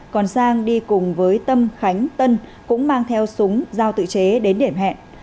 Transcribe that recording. còn sang đi cùng với tâm khánh tân cũng mang theo súng giao tự chế đến điểm hẹn